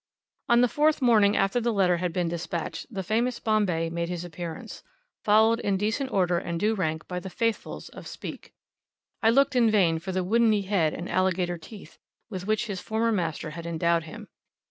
On the fourth morning after the letter had been despatched, the famous Bombay made his appearance, followed in decent order and due rank by the "Faithfuls" of "Speke." I looked in vain for the "woodeny head" and "alligator teeth" with which his former master had endowed him.